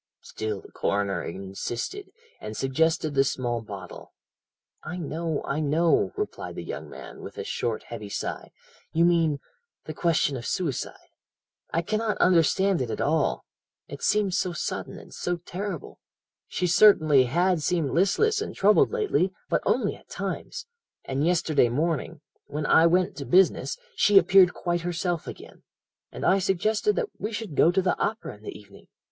"Still the coroner insisted, and suggested the small bottle. "'I know, I know,' replied the young man, with a short, heavy sigh. 'You mean the question of suicide I cannot understand it at all it seems so sudden and so terrible she certainly had seemed listless and troubled lately but only at times and yesterday morning, when I went to business, she appeared quite herself again, and I suggested that we should go to the opera in the evening.